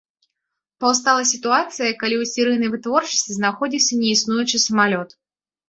Паўстала сітуацыя калі ў серыйнай вытворчасці знаходзіўся неіснуючы самалёт.